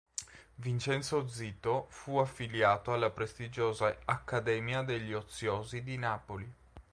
Vincenzo Zito fu affiliato alla prestigiosa Accademia degli Oziosi di Napoli.